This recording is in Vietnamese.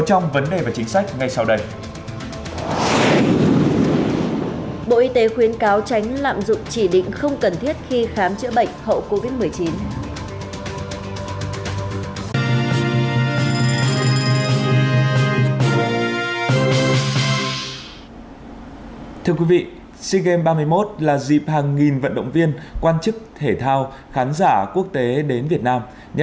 trong phần tiếp theo của chương trình